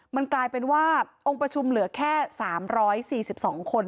มันกลายเป็นว่าองค์ประชุมเหลือแค่๓๔๒คน